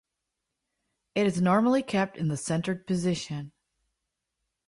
It is normally kept in the centered position.